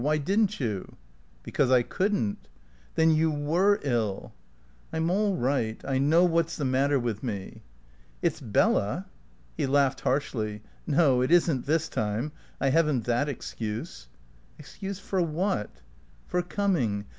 Why didn't you?" "Because I couldn't." "Then you were ill." "I'm all right. I know what's the matter with me." "It's Bella?" He laughed harshly. "No, it isn't this time. I haven't that excuse." "Excuse for what?" "For coming.